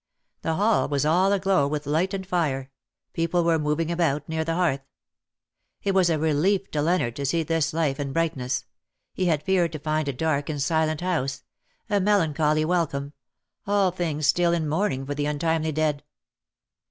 The hall was all aglow with light and fire ; people were moving about near the hearth. It was a relief to Leonard to see this life and bright ness. He had feared to find a dark and silent house — a melancholy welcome — all things still in mourning for the untimely dead.